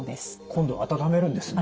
今度は温めるんですね。